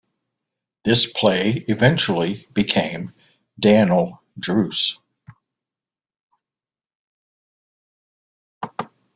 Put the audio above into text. This play eventually became "Dan'l Druce".